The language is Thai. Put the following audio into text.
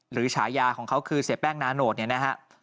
ฉายาของเขาคือเสียแป้งนาโนตเนี่ยนะฮะ